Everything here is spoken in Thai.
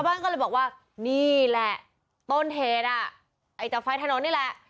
บ้านก็เลยบอกว่านี่แหละต้นเหตุอ่ะไอ้จับไฟถนนนี่แหละ